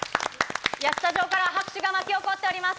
スタジオから拍手が巻き起こっております。